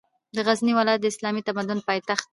د غزني ولایت د اسلامي تمدن پاېتخت ده